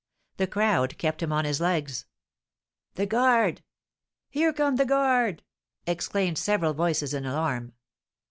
The crowd kept him on his legs. "The guard! Here come the guard!" exclaimed several voices in alarm.